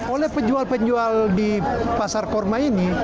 oleh penjual penjual di pasar kurma ini